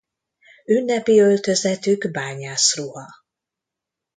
Ünnepi öltözetük bányász-ruha.